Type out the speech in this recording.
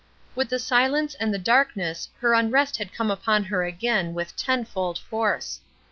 With the silence and the darkness her unrest had come upon her again with tenfold force.